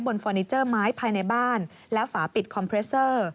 เฟอร์นิเจอร์ไม้ภายในบ้านและฝาปิดคอมเพรสเซอร์